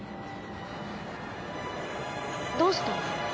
どうした？